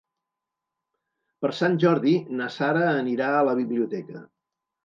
Per Sant Jordi na Sara anirà a la biblioteca.